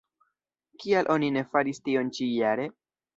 Kial oni ne faris tion ĉi-jare?